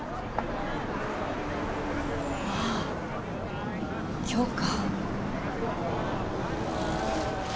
・ああ今日か。